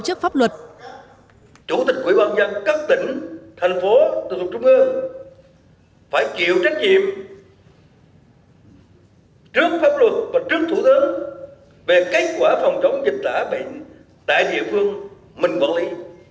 trước pháp luật và trước thủ tướng về kết quả phòng chống dịch lã bệnh tại địa phương mình vẫn lý